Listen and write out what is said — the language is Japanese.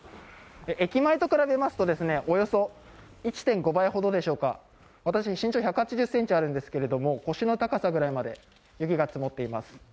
駅前と比べますと、およそ１．５倍ほどでしょうか、私、身長１８０ｃｍあるんですけれども、腰の高さぐらいまで雪が積もっています。